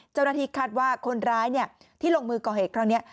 เจ้าหน้าที่คาดว่าคนร้ายที่ลงมือก่อเหตุครั้งนี้